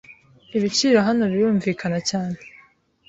Ibiciro hano birumvikana cyane.